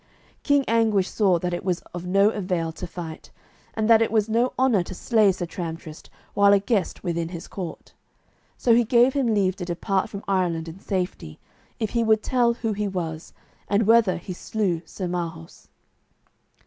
King Anguish saw that it was of no avail to fight, and that it was no honour to slay Sir Tramtrist while a guest within his court; so he gave him leave to depart from Ireland in safety, if he would tell who he was, and whether he slew Sir Marhaus.